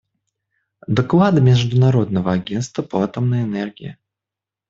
Доклад Международного агентства по атомной энергии.